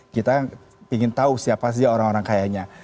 kita ingin tahu siapa sih orang orang kayanya